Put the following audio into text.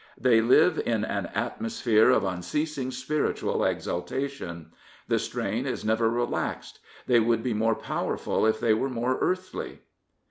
They live in an atmosphere of unceasing spiritual exaltation. The strain is never relaxed. They would be more powerful if they were more earthly.'